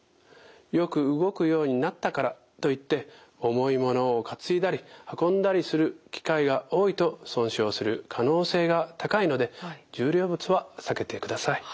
よく動くようになったからといって重い物を担いだり運んだりする機会が多いと損傷する可能性が高いので重量物は避けてください。